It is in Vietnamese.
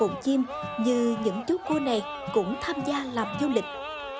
như những chú cua này cũng tham gia làm du lịch